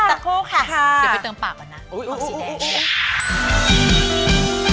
ตอนนี้พักสักครู่ค่ะ